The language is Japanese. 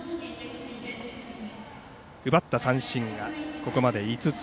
奪った三振が、ここまで５つ。